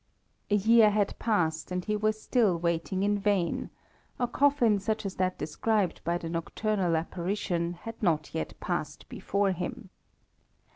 A year had passed, and he was still waiting in vain a coffin such as that described by the nocturnal apparition had not yet passed before him.